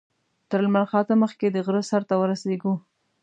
تر لمر خاته مخکې د غره سر ته ورسېږو.